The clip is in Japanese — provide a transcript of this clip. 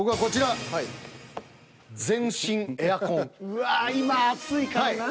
うわぁ今暑いからな。